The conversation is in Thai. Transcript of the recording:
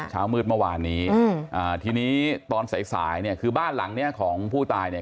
เช้ามืดเมื่อวานนี้ทีนี้ตอนสายสายเนี่ยคือบ้านหลังเนี้ยของผู้ตายเนี่ย